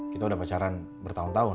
kita udah pacaran bertahun tahun